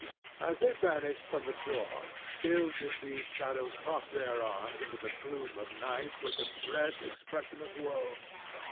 As they vanished from the door, still did these shadows toss their arms into the gloom of night with a dread expression of woe.